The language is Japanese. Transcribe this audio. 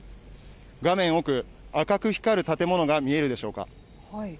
画面奥、赤く光る建物が見えるでしょうか。